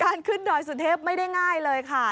การขึ้นดอยสุเทพไม่ได้ง่ายเลยค่ะ